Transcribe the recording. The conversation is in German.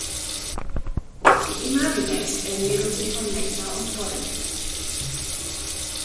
Die Imagines ernähren sich von Nektar und Pollen.